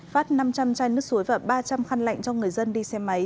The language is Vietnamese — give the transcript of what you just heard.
phát năm trăm linh chai nước suối và ba trăm linh khăn lạnh cho người dân đi xe máy